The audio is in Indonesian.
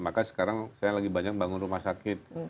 maka sekarang saya lagi banyak bangun rumah sakit